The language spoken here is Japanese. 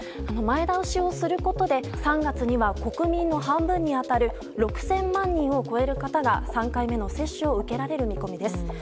前倒しをすることで３月には国民の半分に当たる６０００万人を超える方が３回目の接種を受けられる見込みです。